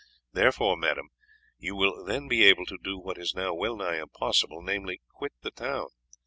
Therefore, madame, you will then be able to do what is now well nigh impossible, namely, quit the town.